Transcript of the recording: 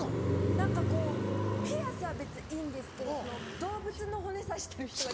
何かこうピアスは別にいいんですけど動物の骨刺してる人は。